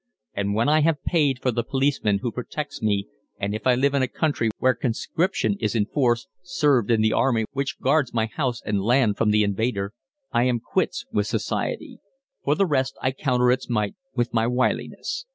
And when I have paid for the policeman who protects me and, if I live in a country where conscription is in force, served in the army which guards my house and land from the invader, I am quits with society: for the rest I counter its might with my wiliness.